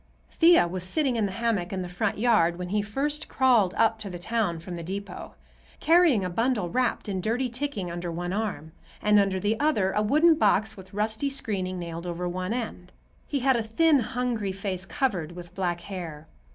Thea was sitting in the hammock in the front yard when he first crawled up to the town from the depot, carrying a bundle wrapped in dirty ticking under one arm, and under the other a wooden box with rusty screening nailed over one end. He had a thin, hungry face covered with black hair.